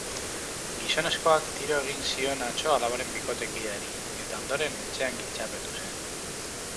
Gizonezkoak tiro egin zion atzo alabaren bikotekideari, eta ondoren etxean giltzapetu zen.